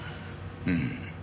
うん。